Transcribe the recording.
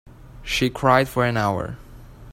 She cried for an hour.